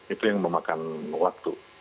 itu yang memakan waktu